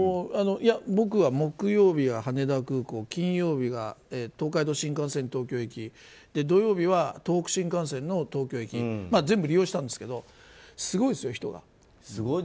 僕は木曜日は羽田空港金曜日が東海道新幹線東京行き土曜日は東北新幹線の東京駅全部利用したんですけどすごいです、人が。